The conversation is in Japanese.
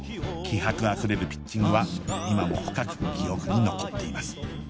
気迫あふれるピッチングは今も深く記憶に残っています